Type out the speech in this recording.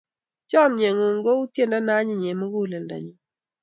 Chomye ng'ung kou tyendo ne onyiny eng' muguleldanyu.